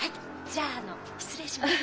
じゃああの失礼します。